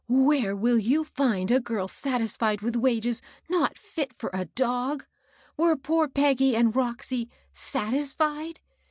" Where will you find a girl satisfied with wages not fit for a dog I Were poor Peggy and Roxy satia fied?